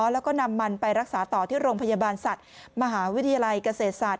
แล้วก็นำมันไปรักษาต่อที่โรงพยาบาลสัตว์มหาวิทยาลัยเกษตรศาสต